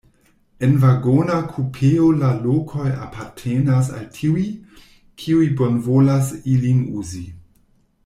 En vagona kupeo la lokoj apartenas al tiuj, kiuj bonvolas ilin uzi.